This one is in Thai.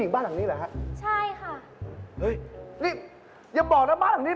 เรานี่๋เซวหน้าวันยังเล่น